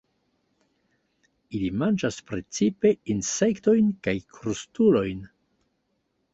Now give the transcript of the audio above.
Ili manĝas precipe insektojn kaj krustulojn.